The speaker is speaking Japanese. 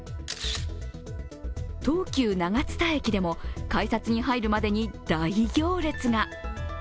東急・長津田駅でも、改札に入るまでに大行列が。